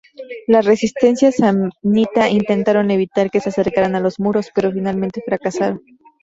La resistencia samnita intentaron evitar que se acercaran a los muros, pero finalmente fracasaron.